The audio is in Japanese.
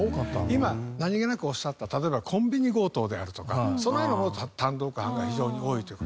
今何げなくおっしゃった例えばコンビニ強盗であるとかそういうのも単独犯が非常に多いという事。